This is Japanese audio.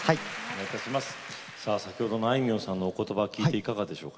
先ほどのあいみょんさんのお言葉を聞いていかがですか？